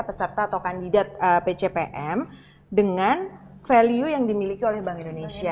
peserta atau kandidat pcpm dengan value yang dimiliki oleh bank indonesia